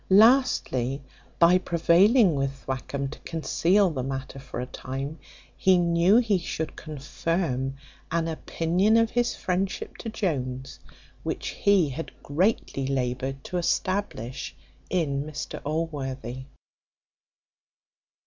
Lastly, by prevailing with Thwackum to conceal the matter for a time, he knew he should confirm an opinion of his friendship to Jones, which he had greatly laboured to establish in Mr Allworthy.